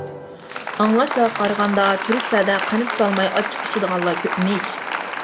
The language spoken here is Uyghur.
ئاڭلاشلارغا قارىغاندا تۈركلەردە قەنت سالماي ئاچچىق ئىچىدىغانلار كۆپمىش.